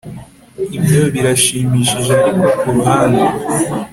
Ibyo birashimishije ariko kuruhande